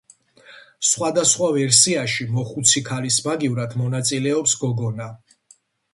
სხვადასხვა ვერსიაში მოხუცი ქალის მაგივრად მონაწილეობს გოგონა.